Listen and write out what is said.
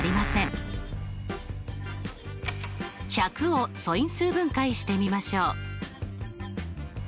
１００を素因数分解してみましょう。